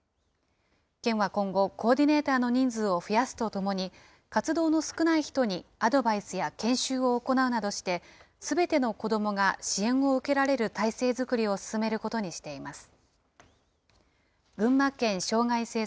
県は今後、コーディネーターの人数を増やすとともに、活動の少ない人にアドバイスや研修を行うなどして、すべての子どもが支援を受けられる体制作りを進めることにしています。